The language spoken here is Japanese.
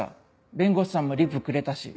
弁護士さんもリプくれたし。